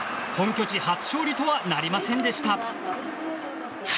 本拠地初勝利とはなりませんでした。